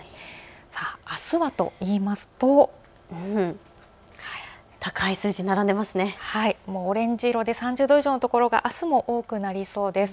あすはと言いますとオレンジ色で３０度以上の所があすも多くなりそうです。